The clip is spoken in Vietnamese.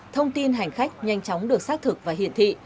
thông tin hành khách nhanh chóng được xác thực và hiển thị